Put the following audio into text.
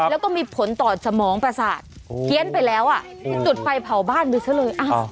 แล้วก็มีผลต่อสมองประสาทเพี้ยนไปแล้วจุดไฟเผาบ้านไปซะเลย